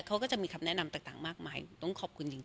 เขาก็จะมีคำแนะนำต่างมากมายต้องขอบคุณจริง